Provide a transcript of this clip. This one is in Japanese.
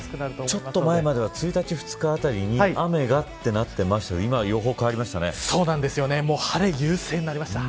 ちょっと前までは１日、２日あたりまで雨がとなっていましたが晴れ優勢になりました。